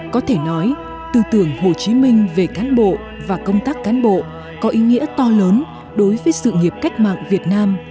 có thể nói tư tưởng hồ chí minh về cán bộ và công tác cán bộ có ý nghĩa to lớn đối với sự nghiệp cách mạng việt nam